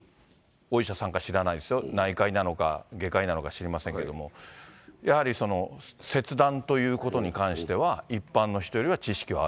つまり、どういうお医者さんか知らないですよ、内科医なのか外科医なのか知りませんけれども、やはり切断ということに関しては、一般の人よりは知識はある。